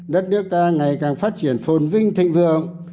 đất nước ta ngày càng phát triển phồn vinh thịnh vượng